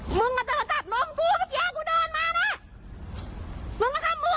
มึงอ่ะจะมาจับน้องกูเมื่อกี้กูเดินมานะมึงมาทำมึง